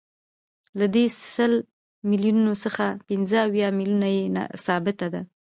له دې سل میلیونو څخه پنځه اویا میلیونه یې ثابته ده